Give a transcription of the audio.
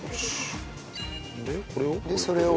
でこれを？